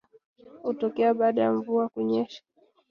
Hutokea baada ya mvua kunyesha